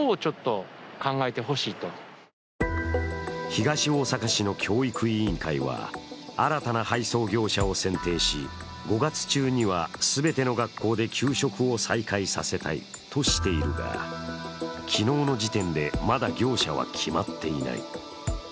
東大阪市の教育委員会は新たな配送業者を選定し５月中には全ての学校で給食を再開させたいとしているが、昨日の時点でまだ業者は決まっていない。